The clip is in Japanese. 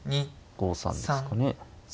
５三ですかね。